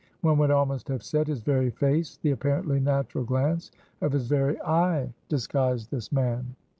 One would almost have said, his very face, the apparently natural glance of his very eye disguised this man.